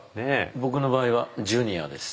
僕の場合は「ジュニア」です。